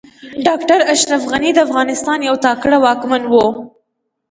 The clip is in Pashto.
ډاکټر اشرف غني د افغانستان يو تکړه واکمن و